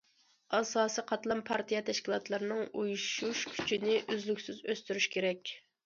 ئاساسىي قاتلام پارتىيە تەشكىلاتلىرىنىڭ ئۇيۇشۇش كۈچىنى ئۈزلۈكسىز ئۆستۈرۈش كېرەك.